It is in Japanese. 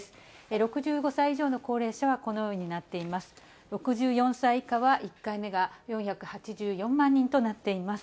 ６５歳以上の高齢者がこのようになっています。